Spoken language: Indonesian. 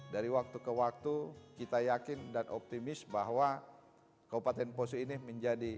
dari waktu ke waktu kita yakin dan optimis bahwa kabupaten poso ini menjadi